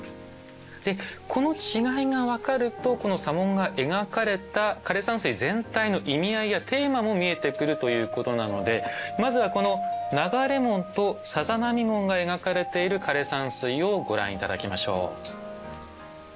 でこの違いが分かるとこの砂紋が描かれた枯山水全体の意味合いやテーマも見えてくるということなのでまずはこの「流れ紋」と「さざ波紋」が描かれている枯山水をご覧頂きましょう。